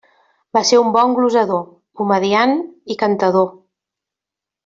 Va ser un bon glosador, comediant i cantador.